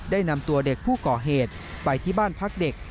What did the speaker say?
ได้นำตัวเด็กผู้ก่อเหตุไปที่บ้านพักเด็ก